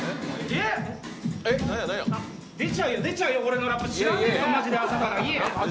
出ちゃうよ、出ちゃうよ、俺のラップ、知らねぇぞ、朝から。